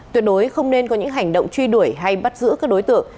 tuyệt đối không nên có những hành động truy đuổi hay bắt giữ các đối tượng